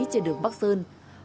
trên đường bắc sơn